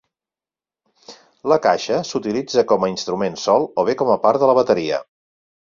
La caixa s'utilitza com a instrument sol o bé com a part de la bateria.